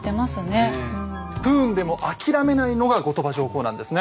不運でも諦めないのが後鳥羽上皇なんですね。